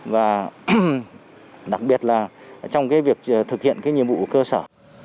và đặc biệt là trong việc thực hiện nhiệm vụ của cơ sở